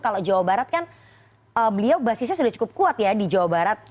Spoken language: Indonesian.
kalau jawa barat kan beliau basisnya sudah cukup kuat ya di jawa barat